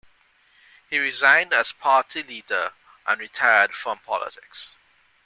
He resigned as party leader and retired from politics.